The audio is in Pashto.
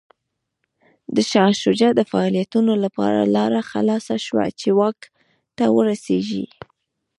د شاه شجاع د فعالیتونو لپاره لاره خلاصه شوه چې واک ته ورسېږي.